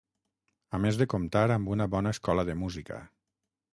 A més de comptar amb una bona escola de música.